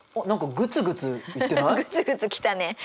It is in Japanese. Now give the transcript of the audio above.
グツグツきたね。